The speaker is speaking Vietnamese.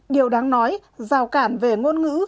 điều đáng nói rào cản về ngôn ngữ